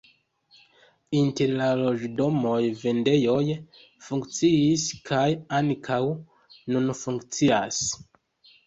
Inter la loĝdomoj vendejoj funkciis kaj ankaŭ nun funkcias.